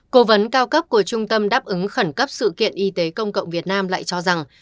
cố vấn cao cấp của trung tâm đáp ứng khẩn cấp sự kiện y tế công cộng việt nam lại cho rằng